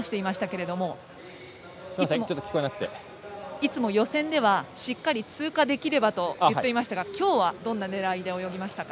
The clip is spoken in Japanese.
いつも予選ではしっかり通過できればと言っていましたが今日は、どんな狙いで泳ぎましたか。